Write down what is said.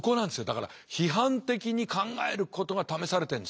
だから批判的に考えることが試されてんですよ。